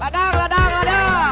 ladang ladang ladang